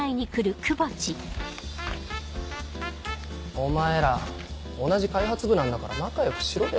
お前ら同じ開発部なんだから仲良くしろよ。